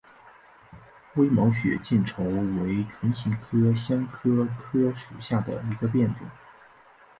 微毛血见愁为唇形科香科科属下的一个变种。